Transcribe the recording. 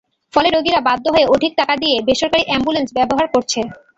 ফলে রোগীরা বাধ্য হয়ে অধিক টাকা দিয়ে বেসরকারি অ্যাম্বুলেন্স ব্যবহার করছে।